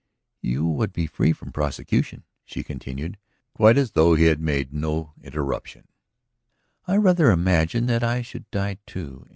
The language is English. "... you would be free from prosecution," she continued, quite as though he had made no interruption, "I rather imagine that I should die, too.